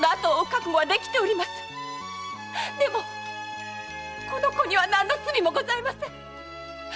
でもこの子には何の罪もございません！